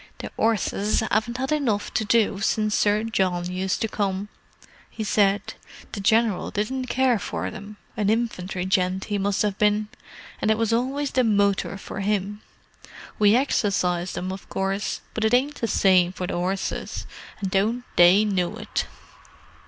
"The 'orses 'aven't 'ad enough to do since Sir John used to come," he said. "The General didn't care for them—an infantry gent he must have been—and it was always the motor for 'im. We exercised 'em, of course, but it ain't the same to the 'orses, and don't they know it!"